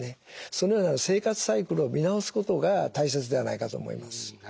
そのような生活サイクルを見直すことが大切ではないかと思います。